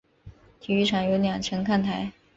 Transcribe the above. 体育场有两层看台。